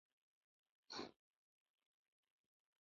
څلورم: د اعشاري عدد د لوستلو لپاره ورنیي برخو ته وګورئ.